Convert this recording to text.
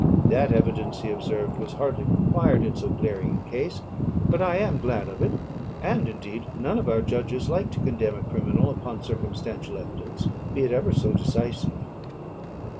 "That evidence," he observed, "was hardly required in so glaring a case, but I am glad of it; and, indeed, none of our judges like to condemn a criminal upon circumstantial evidence, be it ever so decisive."